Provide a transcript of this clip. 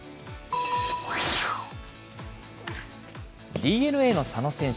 ＤｅＮＡの佐野選手。